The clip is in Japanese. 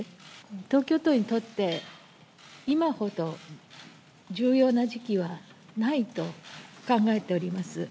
東京都にとって、今ほど重要な時期はないと考えております。